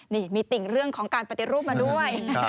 นี่มีติ่งเรื่องของการปฏิรูปมาด้วย